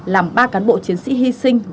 làm ba cán bộ chiến sĩ hy sinh